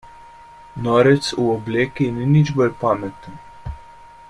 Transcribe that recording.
Norec v obleki ni nič bolj pameten.